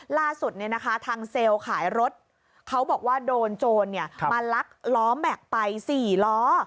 ล่าสุดเนี่ยนะคะทางเซลท์ขายรถเขาบอกว่าโดนจนเนี่ยมาลักล้อแมคไป๔ล้อ